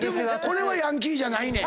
これはヤンキーじゃないねん。